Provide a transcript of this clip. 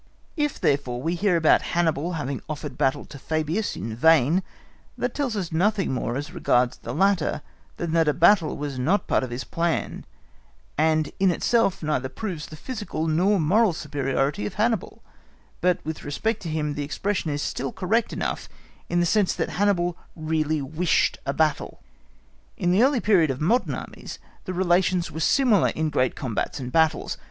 If therefore we hear about Hannibal having offered battle to Fabius in vain, that tells us nothing more as regards the latter than that a battle was not part of his plan, and in itself neither proves the physical nor moral superiority of Hannibal; but with respect to him the expression is still correct enough in the sense that Hannibal really wished a battle. In the early period of modern Armies, the relations were similar in great combats and battles.